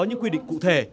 những quy định cụ thể